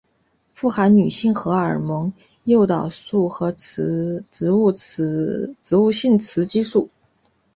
富含女性荷尔蒙诱导素和植物性雌激素。